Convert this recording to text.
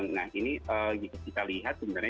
nah ini kita lihat sebenarnya